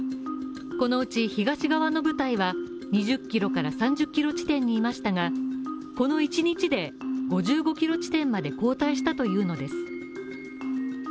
このうち東側の部隊は２０ｋｍから３０ｋｍ地点にいましたがこの１日で５５ｋｍ地点まで後退したというのです。